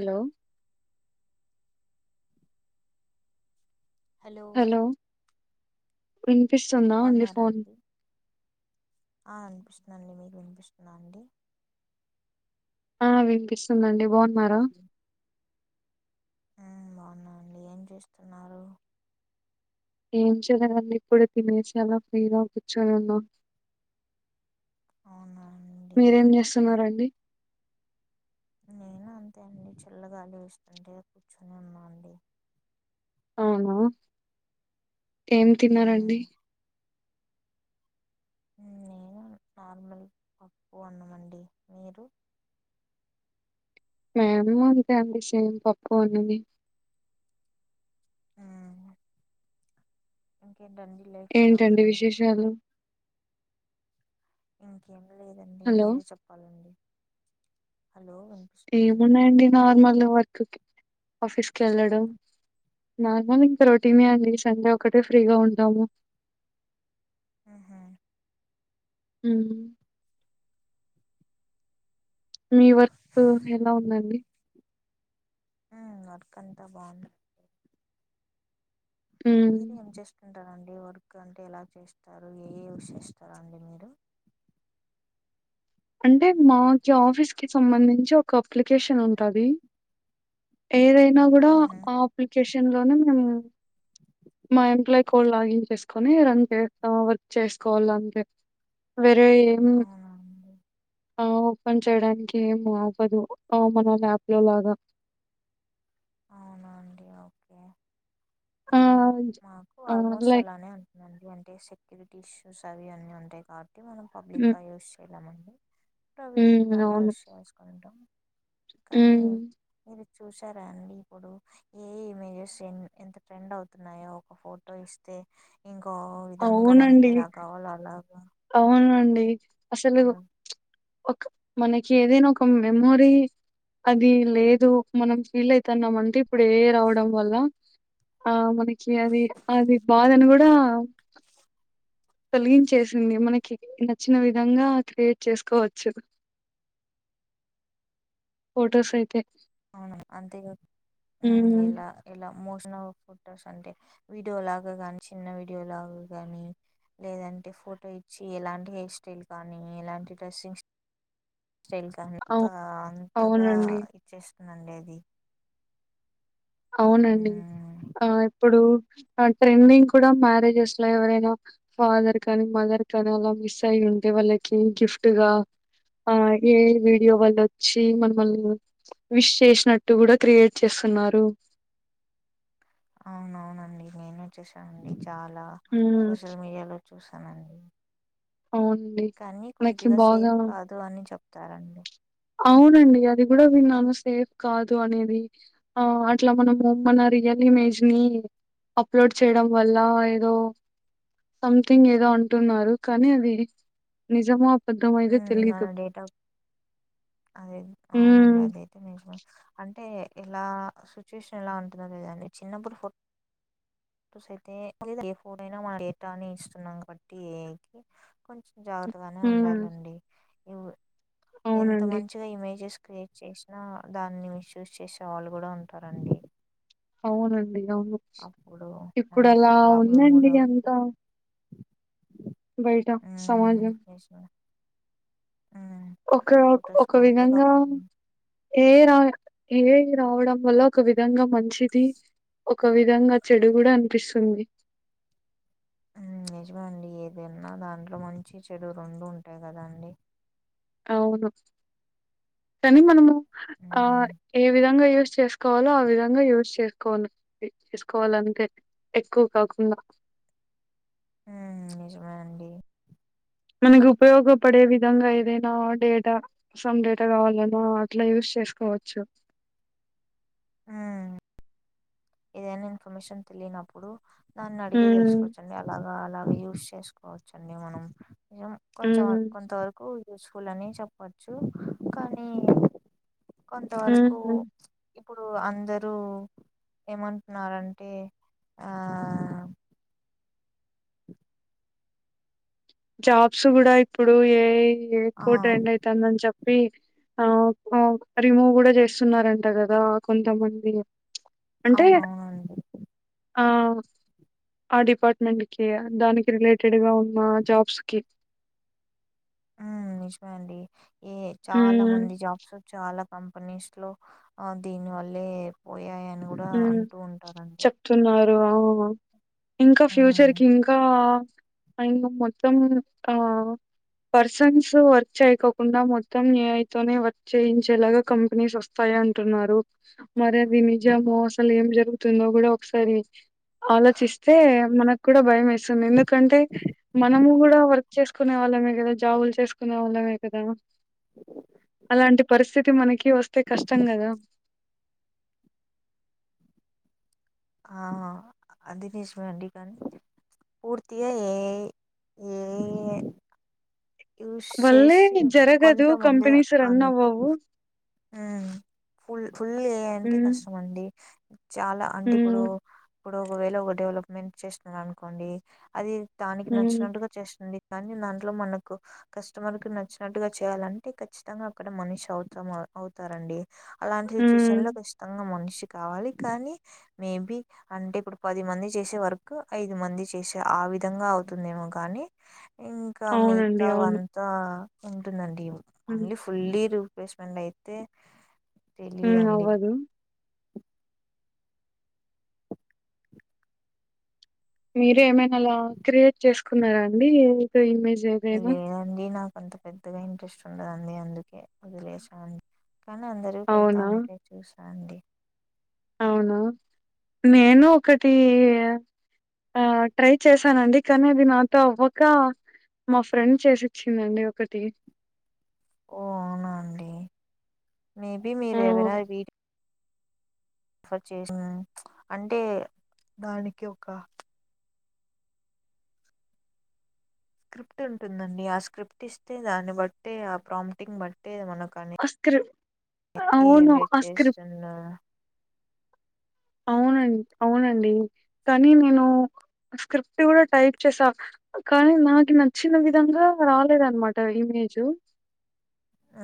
Hello hello కొ [inaudible] బాగున్నారా అండి ఆ వినిపిస్తు నన్ని మీకు వినిపిస్తున్నా అండి ఆ వినిపిస్తుందండి బాగున్నారా ఆ బాగున్నా అండి ఏం చేస్తున్నారు ఏం చెయలేదండి ఇప్పుడే తినేసి అలా ఫ్రీ గ కూర్చొని ఉన్నాము అవునా అండి మీరేం ఓకే చేస్తున్నరండి నేను అంతే అండి చల్లగాలి వస్తుంటే కూర్చుని ఉన్నా అండి అవునా ఏం తిన్నారండి ఉమ్ నేను నార్మల్ పప్పు అన్నమండి మీరు మేము అంతే అండి సేమ్ పప్పు అన్నమే ఆ ఏంటండి లైఫ్ ఎలా ఏంటండి ఉందండి విశేషాలు ఇంకేం లేదండి హలో మీరే చెప్పాలండి హలో వినిపిస్తుందా అండి ఏమున్నాయండి నార్మల్ వర్క్ కి ఆఫీస్కి వెళ్ళడం నార్మల్ ఇంకా రోటీ నే అండి సండే ఒకటే ఫ్రీగా ఉంటాము ఆహా హ మీ వర్క్ ఎలా ఉందండి ఉ వర్కంత బావుంది మ్మ్ మీరు ఏం జేస్తు ఉ [unintelligible] ంటారండి వర్క్ అంటే ఎలా చేస్తారు ఏఐ యూస్ చేస్తారా అండి మీరు అంటే మా జా ఆఫీస్ కి సంబంధించి ఒక అప్లికేషన్ ఉంటది ఏదైనా కూడా ఉహు ఆ అప్లికేషన్ లోనే మేము మా ఎంప్లాయీ కోడ్ లాగిన్ చేసుకొని రన్ చేత్త వర్క్ చేసుకోవాల అంటే వేయాం అవునండి ఆ ఓపెన్ చేయడానికి ఏం ఆపదు ఆ మన ల్యాప్ లో లాగా అవునా అండి ఓకే హు ఆ! మాకు ఆ! ఆల్మోస్ట్ లైక్ అలానే ఉంటుందండి అంటే సెక్యూరిటీస్ హు సరి అన్నీ ఉంటాయి కాబట్టి అంటే మనం పబ్లిక్ హ్మ్. యూస్ చేయలేము అండి అ హ్మ్. [unintelligible] అవును. యుజ్ చేసుకుంటాం కానీ హ్మ్. ఇది చూసారా అండి ఇప్పుడు ఏ ఇమేజెస్ ఎంత ట్రెండ్ అవుతున్నాయో ఒక ఫోటో ఇస్తే ఇం ఓ విధంగా మనకి అవునండి. ఎలా కావాలో అలాగా అవునండి అసలు అలా ఒక మనకి ఏదైనా ఒక మెమోరీ అది లేదు మనం ఫీల్ అయితున్నామ అంటే ఇప్పుడు ఏ ఐ రావడం వల్ల ఆ మనకి అది అది బాధని కూడా తొలగించేసి మనకి నచ్చిన విధంగా క్రియేట్ చేసుకోవచ్చు ఫొటోస్ అయితే అవును అంతే హు ఉమ్ ఇలా ఇలా ఏమోషన్ల్ ఫోటోస్ అంటే వీడియో లాగా ని చిన్న వీడియో లాగా గాని లేదంటే ఫోటో ఇచ్చి ఎలాంటి హెయిర్ స్టైల్ గానీ ఎలాంటి డ్రెస్సింగ్ స్టైల్ గా అంత అవు అంతగా అవునండి ఇచ్చేస్త హు అండేది అవునండి ఉమ్ ఆ ఇప్పుడు ఆ ట్రెండింగ్ కూడా మ్యారేజెస్ లో ఎవరైనా ఫాదర్ కానీ మదర్ కానీ అలా మిస్ అయి ఉంటే వాళ్ళకి గిఫ్ట్ గా ఆ ఏ వీడియో వాళ్ళు వచ్చి మనమల్ళని విష్ చేసినట్టు కూడా క్రియేట్ చేస్తున్నారు అవునవునండి నేనే వచ్చేసాను అండి చాలా ఉమ్ సోషల్ మీడియా లో చూసానండి అవునండి కానీ నాకి కొద్దిగా సేఫ్ బాగా కాదు అని చెప్ప ఇస్తారండి అవునండి అది కూడా విన్నాను సేఫ్ కాదు అనేది ఆ అట్లా మనము మన రియల్ ఇమేజ్ ని అప్లోడ్ చేయడం వల్ల ఏదో సంథింగ్ ఏదో అంటున్నారు కానీ అది నిజమో అబద్ధం మో ఉమ్ మన తెలియదు డేటా అదే అవునండి అదయితే నిజమే అంటే అంటే ఎలా సిచ్యుషన్ ఎలా ఉంటుందో లేదండి చిన్నప్పుడు ఫో ఫొటోస్ అయితే ఏ ఫోన్ అయినా మన డేటాని అని ఇస్తున్నాం కాబట్టి ఏ కొ జాగ్రత్తగానే హ్మ్. ఉండాలి ఎంత అవునండి. మంచిగా ఈమె క్రియేట్ చేసినా దాన్ని మిస్ యూస్ చేసే వాళ్ళు కూడా ఉంటారండి అవునండి అప్పుడు ఇప్పుడు మనకు అలా ప్రాబ్లం ఉందండి కూడా అంత అవుతుంది బయటా ఉమ్ సజ నిజమే ఉమ్ ఒక ఒక ఫొటోస్కి ఒకటే విధంగా కాకుండా ఏ రా ఏ రావడం వల్ల ఒక విధంగా మంచిది ఒక విధంగా చెడు కూడా అనిపిస్తుంది నిజమండి ఏదన్నా దాంట్లో మంచి చెడు రెండు ఉంటాయి కదాండి అవును కానీ మనము ఆ ఉమ్ ఏ విధంగా యూ ూ చేసుకోవాలో ఆ విధంగా యూస్ చేసుకోవను చేసుకోవాలంటే ఎక్కువ కాకుండా ఉ నిజమే అండి మనకి ఉపయోగపడే విధంగా ఏదైనా డేటా సమ్ డేటా కావాలన్నా అట్లా యూస్ చేసుకోవచ్చు ఉమ్మ్ ఏదైనా ఇన్ఫర్మేషన్ తెలియనప్పుడు దాన్ని అడిగి ఉమ్ తెలుసుకోవచ్చండి అలా అలాగ యూజ్ చేసుకోవచ్చుండి మనం కొంచెం ఉమ్ కొంత వరకు చూసుకోవలని చెప్పచ్చు కానీ కొంతవరకు ఇప్పుడు అందరూ ఏమంటున్నారంటే ఆ జాబ్స్ కూడా ఇప్పుడు ఏ ఆ ఎకు ట్రెండ్ అయితు అంద చెప్ప ఆ రిమూవ్ కూడా చేస్తున్నారంట కదా కొంతమంది అంటే అవునవునండి ఆ ఆ డిపార్ట్మెంట్ కి దానికి రిలేటెడ్ గా ఉన్న జాబ్ స్కిిప్ ఉ నిజమే అండి ఏ చాలా ఉమ్ మంది జాబ్స్ చాలా కంపెనీస్ లో ఆ దీని వల్లే ఉ అని కూడా ఉమ్ అంటూ ఉంటారండి చెప్తున్నారు అవును. ఇంకా ఫ్యూచర్ ఉమ్, కి ఇంకా అం మొత్తం ఆ పర్సన్స్ వర్క్ చేయకోకుండా మొత్తం ఏఐతోనే వర్క్ చేయించేలాగా కంపెనీస్ వస్తాయ అంటున్నారు మరి అదిీ జామో అసలు ఏం జరుగుతుందో కూడా ఒకసారి ఆలోచిస్తే మనకు కూడా భయం వేస్తుంది ఎందుకంటే మనము కూడా వర్క్ చేసుకునే వాళ్ళమే కదా జాబులు చేసుకునే వాళ్ళమే కదా అలాంటి పరిస్థితి మనకి కి వస్తే కష్టం కదా ఆ అదీ నిజమే అండి కానీ పూర్తిగా ఏఐ ఏఐ యూస్ వల్లే చేసి జరగదు కొంతమంది కంపెనీస్ అ రన్ అవ్వవు. ఫుల్ ఫుల్ ఏ ఐ అంటె హ్మ్. కష్టమండి చాలా అంటే ఇప్పుడు హ్మ్. ఇప్పుడు ఒకవేళ ఒక డెవలప్మెంట్ చేస్తున్నారు అనుకోండి అది దానికి హ్మ్. నచ్చినట్టుగా చేస్తుంది కానీ దాంట్లో మనకు కస్టమర్ కి నచ్చినట్టుగా చేయాలంటే ఖచ్చితంగా అక్కడ మనిషి అవుతాము అవుతారండి అలాంటి హ్మ్. సిచువేషన్ లో కష్టంగా మనిషి కావాలి కానీ మేబి అంటే ఇప్పుడు పది మంది చేసే వర్కు ఐదు మంది చేసే ఆ విధంగా అవుతుందేమో కానీ ఇంకా అవునండి. మీకు అవును. అంత ఉంటుందండి హ్మ్. [unintelligible] రిప్లేస్మెంట్ అయితే మ్ తెలీదండి అవ్వదు మీరే ఏమైనా అలా క్రియేట్ చేసుకున్నారా అండి ఇమేజ్ ఏదైనా? లేదండి నాకు కొంత పెద్దగా ఇంట్రెస్ట్ ఉండదండి అందుకే వదిలే చ కానీ అందరి పెడతా ఉంటే చూసి అండి అవును నేను ఒకటి ఆ ట్రై చేశానండి కానీ అది నాతో అవ్వక మా ఫ్రెండ్ చేసిచ్చిందండి ఒకటి ఓ అవునా అండి మేబి ఆ! మీరు ఏవైనా వీడి రిఫర్ చేసిన అంటే దానికి ఒక స్క్రిప్ట్ ఉంటుందండి ఆ స్క్రిప్ట్ ఇస్తే దాన్ని బట్టే ఆ ప్రాప్టింగ్ బట్టే మనకు అనే అ స్క్రిప్ట్ ఏ అవును జనరేట్ అ స్క్రిప్ట్ చేస్తున్న అవునండి అవునండి కానీ నేను స్క్రిప్ట్ కూడా టైప్ చేసా కానీ నాకు నచ్చిన విధంగా రాలేదనమాట ఇమేజ్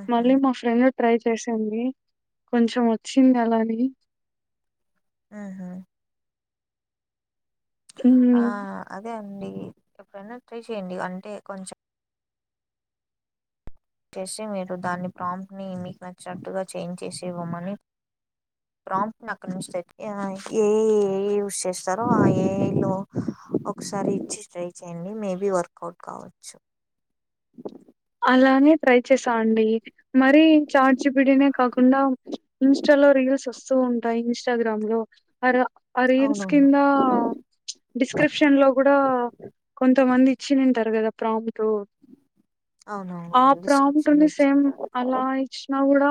ఉహు మళ్ళీ మా ఫ్రెండ్ ట్రై చేసింది కొంచెం వచ్చింది అలాని ఆ హా ఆ హ్మ్ అదే అండి ఎప్పుడైనా ట్రై చేయండి అంటే కొంచెం చేసి మీరు దాన్ని ప్రాంప్ని మీకు నచ్చినట్టుగా చేంజ్ చేసి ఇవ్వమని ప్రాంప్ని అక్కడి నుంచి ఏ ఏ యూస్ చేస్తారో ఆ ఏలో ఒకసారి ఇచ్చి ట్రై చేయండి మేబీ వర్కౌట్ కావచ్చు అలానే ట్రై చేసా అండి మరి చాచిపిిడినే కాకుండా మవరి స్స్ ఉంట ఇస్టాగ్రామ్ లో అ ఆ రీల్స్ అవునవును కింద డిస్క్రిప్షన్ లో కూడా కొంతమంది ఇచ్చి తింటారు కదా ప్ర టో ఆ అవునవునవును డిస్క్రిప్షన్ లో ప్రాముట్ని సేమ్ ఇచ్చింది అలా ఇచ్చిన వుడ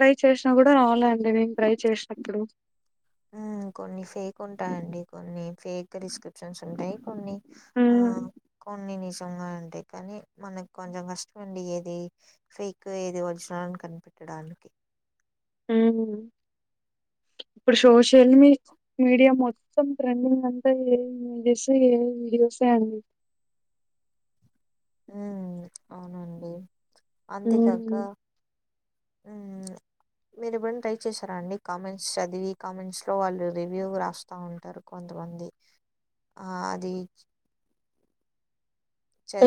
ర చేసినా కూడా రాలే అండి నేను ట్రై చేసినప్పుడు కొన్ని ఫేక్ ఉంటాయండి కొన్ని ఫేక్ ప్రిస్క్రిప్షన్స్ ఉంటాయి కొన్ని ఆ హ్మ్. కొన్ని నిషంగా అడి అంటే కానీ మనకు కొంచెం కష్టమ అండి ఏది ఫేక్ ఏది ఒరిజినల్ అని కనిపెట్టడానికి ఇప్పుడు సోషల్ మీ మీడియా మొత్తం ట్రెండింగ్ అంతా ఏస్ ఏ వీడియోసే అండి హ అవునండి అంతేగాక మ్మ్ మీరు ఇవ్వ ట్రై చేశారా అండి కామెంట్స్ చదివి కామెంట్స్లో వాళ్ళు రివ్యూ రాస్తూ ఉంటారు కొంతమంది అది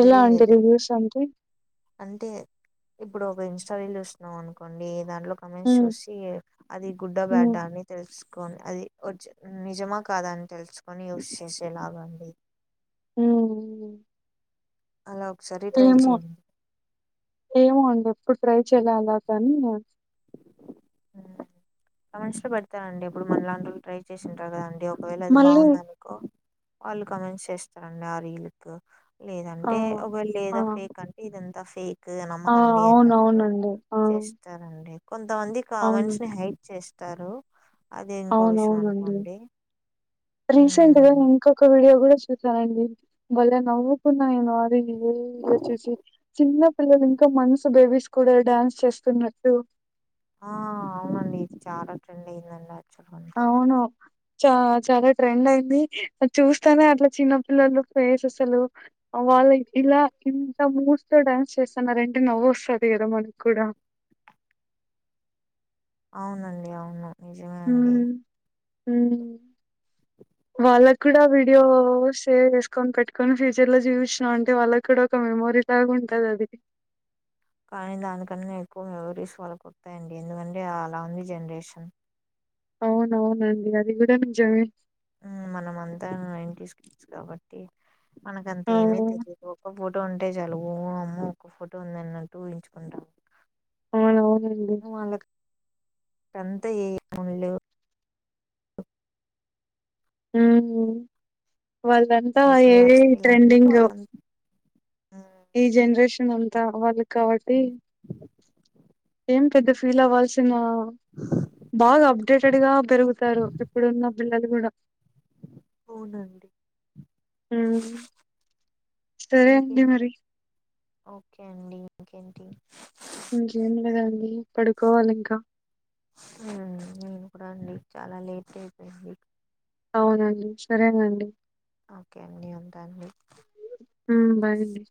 ఎలా మీరు అంటరివూ సజ అంటే ఇప్పుడు ఒక ఇన్స్టా వె చూస్తున్నాం అనుకోండి దాంట్లో కమ మ్మ్ శుశీ అది గుడ్డ బ్యాడ్డ మ్మ్ అని తెలుసు ని అదిజ నిజమా కాదని తెలుసుకొని యూస్ చేసేలాగా అండి మ్మ్ అలా ఒకసారి ట్రై ఏమో చేయండి. ఏమో అండి ఎప్పుడు ట్రై చేయాల అలా కాని సంవత్సరలు పెడతనండి ఇప్పుడు మనలాంటి వాళు ట్రై చేసింటారు కదండి ఒకవేళ అది మళ్ళీ బాగుందా నీకు వాళ్ళు కమెంట్ చేస్తున్నా ఆ రీలుకు ఆ లేదంటే ఒకవేళ ఆ లేదా ఫేక్ అంటే ఇదంతా ఫేక్ ఆ నమ్మకండి అన్నట్టుగా అవునవునండి ఆ చేస్తారండి కొంతమంది అవును కామెంట్స్ ని హైడ్ చేస్ స్తారు అవునవునండి రీసెంట్ గా ఉమ్ ఇంకొక వీడియో గూడా చూసానండి బలే నవ్వుకున్నా నేను అదే వీడియో చూసి చిన్న పిల్లలు ఇంకా మంత్స్ బేబీస్ కూడా డాన్స్ చేస్తున్నట్టు ఆ అవునండి ఇది చాలా ట్రెండ్ అయింది అండి అవును చ చాలా ట్రెండ్ అయింది చూస్తానే ఉమ్, అట్లా చిన్న ప్ పిల్లలు ఫేస్ అసలు వాళ్ళ ఇలా ఇంత మూవ్స్ తో డ్యాన్స్ చేస్తున్నరంటే నవ్వు వస్తది గదా మనకు కూడా అవునండి అవును నిజమే అండి ఊ వాళ్ళకు కూడా వీడియో షేర్ చేసుకొని పెట్టుకొని ఫ్యూచర్ లో చూపించినాం అంటే వాళ్ళకి కూడా ఒక మెమోరీలాగా ఉంటది అది కానీ దానికన్నా ఎక్కువ మెమోరీస్ వాళ్ళకొత్తాయండి ఎందుకంటే అలా ఉంది జనరేషన్ అవునవునండి అది కూడా నిజమే మ్ మనం అంతా నైన్ టీస్ కిడ్స్ కాబట్టి ఆ మనకంతేమి తెలిదు లోకమ్ ఫోటో ఉంటే చాలు ఓ అమ్మో ఒక్క ఫోటో ఉందన్నట్టు ఊహించుకుంటాం అవును అవునండి కంతే ఏముండ్లేవ్ ఆహ వాళ్ళదంతా ఎక్కడ ఏఐ ఇలా ఉన్నప్పుడు వాళ్ళ ట్రెండింగొ ఈ జనరేషన్ అంతా వాళ్ళకి కావట్టి పెద్ద ఫీల్ అవ్వాల్సిన బాగా అబ్ అబ్ డేటెడ్ గా పెరుగుతారు ఇప్పుడున్న పిల్లలు కూడా అవునండి సరే అండి ఇంకేం మరి ఓకే అండి ఇంకేంటి ఇంకేంమ్ లేదండి పడుకోవాలి ఇంకా నేను కూడా అండి చాలా లేట్ అయిపోయింది అవునండి సరేనండి ఓకే అండి ఉంటా అండి మ్ బాయ్ అండి